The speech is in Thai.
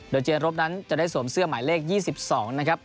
โดยเจรบนั้นจะได้สวมเสื้อหมายเลข๒๒นะครับ